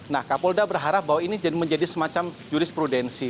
nah kapolda berharap bahwa ini menjadi semacam jurisprudensi